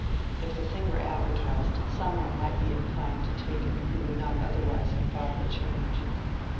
If the thing were advertised, some one might be inclined to take it who would not otherwise have thought of a change.